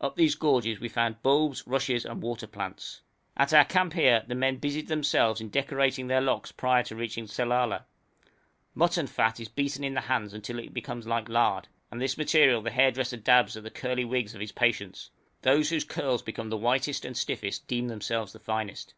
Up these gorges we found bulbs, rushes, and water plants. At our camp here our men busied themselves in decorating their locks prior to reaching Sellala. Mutton fat is beaten in the hands till it becomes like lard, and this material the hairdresser dabs at the curly wigs of his patients; those whose curls become the whitest and stiffest deem themselves the finest.